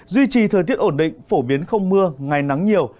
duy trì thời tiết ổn định phổ biến không mưa ngày nắng nhiều